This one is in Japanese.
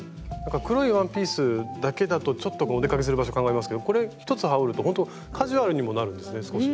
黒いワンピースだけだとちょっとお出かけする場所考えますけどこれ一つ羽織るとほんとカジュアルにもなるんですね少しね。